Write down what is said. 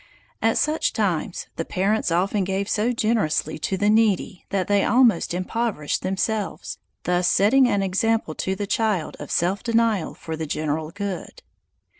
At such times the parents often gave so generously to the needy that they almost impoverished themselves, thus setting an example to the child of self denial for the general good.